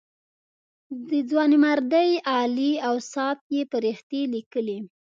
د ځوانمردۍ عالي اوصاف یې فرښتې لیکلې.